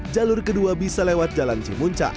jalur kedua bisa lewat jalan cimunca